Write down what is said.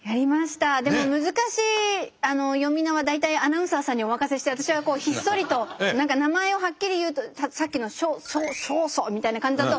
でも難しい読みのは大体アナウンサーさんにお任せして私はひっそりと何か名前をはっきり言うとさっきのショソソウソみたいな感じだと「あの馬が」という感じで。